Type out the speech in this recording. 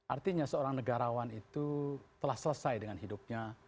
artinya seorang negarawan itu telah selesai dengan hidupnya